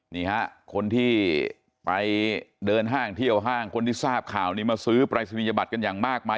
นี่ฮะคนที่ไปเดินห้างเที่ยวห้างคนที่ทราบข่าวนี้มาซื้อปรายศนียบัตรกันอย่างมากมาย